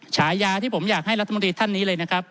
ฉายาที่ผมอยากให้รัฐมนตรีท่านนี้เลยนะครับ